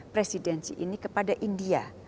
presidensi ini kepada india